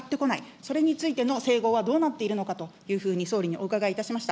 それについての整合はどうなっているのかというふうに総理にお伺いいたしました。